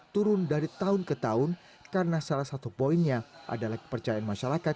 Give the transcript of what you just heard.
turun dari tahun ke tahun karena salah satu poinnya adalah kepercayaan masyarakat